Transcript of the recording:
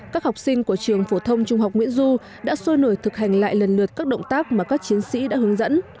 các học sinh của trường phổ thông trung học nguyễn du đã sôi nổi thực hành lại lần lượt các động tác mà các chiến sĩ đã hướng dẫn